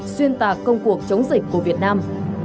xuyên tạc công cuộc chống dịch của việt nam